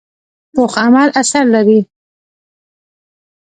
پوخ عمل اثر لري